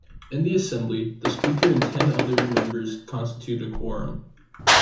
In the Assembly, the Speaker and ten other members constitute a quorum.